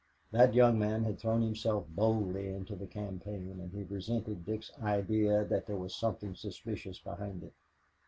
That young man had thrown himself boldly into the campaign and he resented Dick's idea that there was something suspicious behind it.